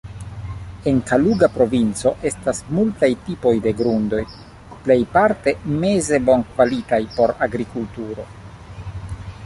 En Kaluga provinco estas multaj tipoj de grundoj, plejparte meze bonkvalitaj por agrikulturo.